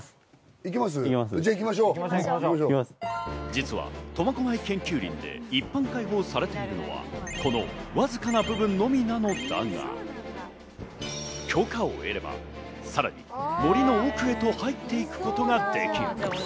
実は苫小牧研究林で一般開放されているのはこのわずかな部分のみなのだが、許可を得れば、さらに森の奥へと入っていくことができる。